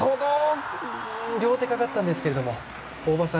両手が掛かったんですけども大場さん